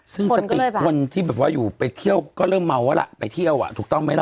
ซึ่งสติคนที่แบบว่าอยู่ไปเที่ยวก็เริ่มเมาแล้วล่ะไปเที่ยวอ่ะถูกต้องไหมล่ะ